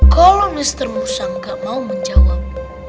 kalo mr musang ga mau menjawab